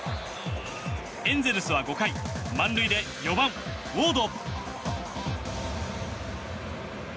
エンゼルスは５回、満塁で４番、ウォード。